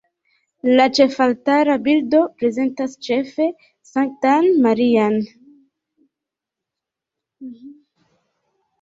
La ĉefaltara bildo prezentas ĉefe Sanktan Marian.